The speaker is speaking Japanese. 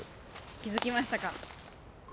気付きましたか。